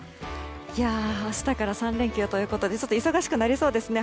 明日から３連休ということでちょっと忙しくなりそうですね。